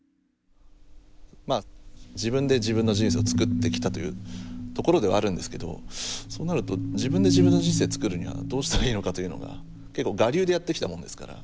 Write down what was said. まっ自分で自分の人生を作ってきたというところではあるんですけどそうなると自分で自分の人生作るにはどうしたらいいのかというのが結構我流でやってきたものですから。